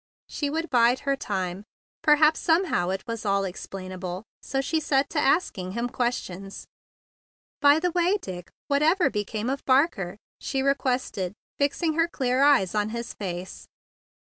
She would bide her time. Per¬ haps somehow it was all explainable. So she set to asking him questions. "By the way, Hick, what ever be¬ came of Barker?" she requested, fixing her clear eyes on his face.